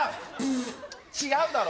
違う！